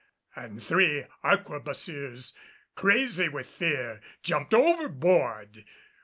and three arquebusiers crazy with fear jumped overboard.